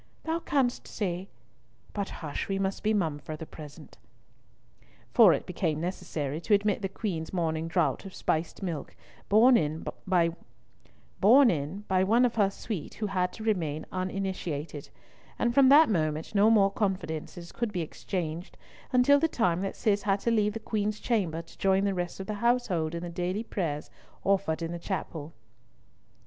Thou canst say—But hush, we must be mum for the present." For it became necessary to admit the Queen's morning draught of spiced milk, borne in by one of her suite who had to remain uninitiated; and from that moment no more confidences could be exchanged, until the time that Cis had to leave the Queen's chamber to join the rest of the household in the daily prayers offered in the chapel.